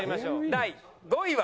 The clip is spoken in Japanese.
第５位は。